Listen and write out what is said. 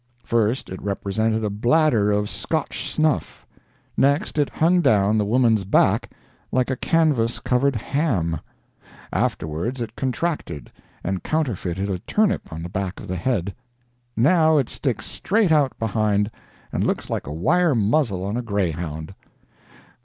First it represented a bladder of scotch snuff; next it hung down the woman's back like a canvas covered ham; afterwards it contracted, and counterfeited a turnip on the back of the head; now it sticks straight out behind, and looks like a wire muzzle on a greyhound.